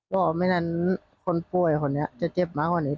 ว่าไม่นั้นคนป่วยคนนี้จะเจ็บมากกว่านี้